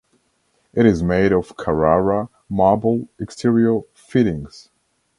It is made of carrara marble exterior fittings.